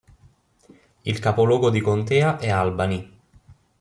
Il capoluogo di contea è Albany.